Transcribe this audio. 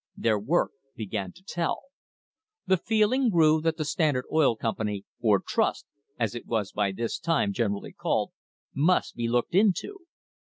Their work began to tell. The feeling grew that the Standard Oil Com pany, or Trust, as it was by this time generally called, must be looked into.